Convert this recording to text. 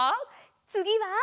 つぎは。